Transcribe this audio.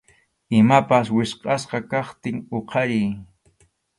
Imapas wichqʼasqa kaptin huqariy.